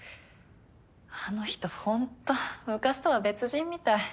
あの人ほんと昔とは別人みたい。